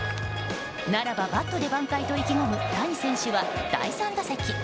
ならばバットで挽回と意気込む谷選手は第３打席。